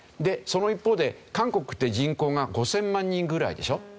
その一方で韓国って人口が５０００万人ぐらいでしょ。